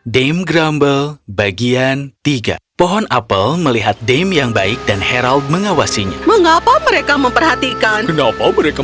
dem berjalan ke arah mereka